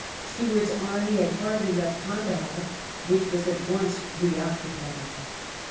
Stewart's army had hardly left Kandahar, which was at once reoccupied.